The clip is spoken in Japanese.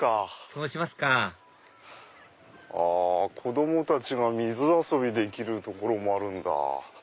そうしますか子供たちが水遊びできる所もあるんだ。